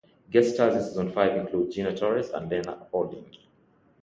Guest stars in season five include Gina Torres and Lena Olin.